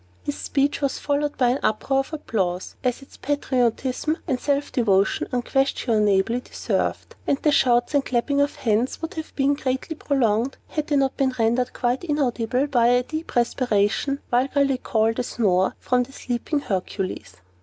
His speech was followed by an uproar of applause, as its patriotism and self devotion unquestionably deserved; and the shouts and clapping of hands would have been greatly prolonged, had they not been rendered quite inaudible by a deep respiration, vulgarly called a snore, from the sleeping Hercules.